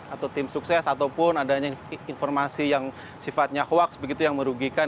atau tim sukses ataupun adanya informasi yang sifatnya hoaks begitu yang merugikan